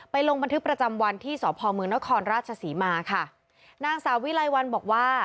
ลงบันทึกประจำวันที่สพมนครราชศรีมาค่ะนางสาววิไลวันบอกว่า